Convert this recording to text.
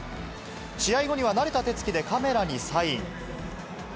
試合後には慣れた手つきでカメラにサイン。